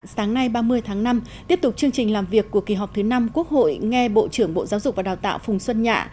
sáng nay ba mươi tháng năm tiếp tục chương trình làm việc của kỳ họp thứ năm quốc hội nghe bộ trưởng bộ giáo dục và đào tạo phùng xuân nhạ